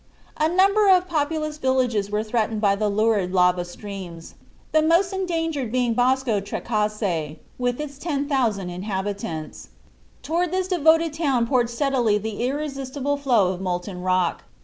A number of populous villages were threatened by the lurid lava streams, the most endangered being Bosco Trecase, with its 10,000 inhabitants. Toward this devoted town poured steadily the irresistible flood of molten rock.